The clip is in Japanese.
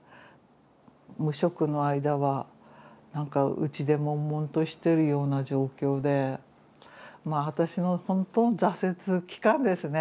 無職の間は何かうちでもんもんとしてるような状況でまあ私の本当の挫折期間ですね。